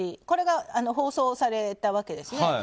これが放送されたわけですね。